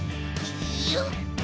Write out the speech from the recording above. よっ。